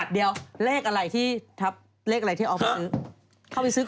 เดี๋ยวเลขอะไรที่เอาไปซื้อ